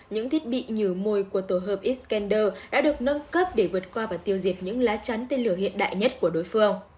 những thiết bị nhửi của tổ hợp iscander đã được nâng cấp để vượt qua và tiêu diệt những lá chắn tên lửa hiện đại nhất của đối phương